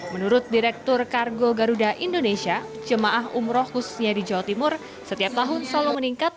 menurut direktur kargo garuda indonesia jemaah umroh khususnya di jawa timur setiap tahun selalu meningkat